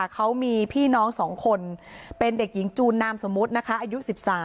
เขามีพี่น้อง๒คนเป็นเด็กหญิงจูนนามสมมุตินะคะอายุ๑๓